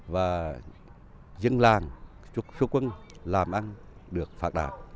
và dân làng xuất quân làm ăn được phạt đạt